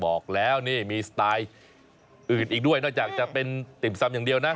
บอกแล้วนี่มีสไตล์อื่นอีกด้วยนอกจากจะเป็นติ่มซำอย่างเดียวนะ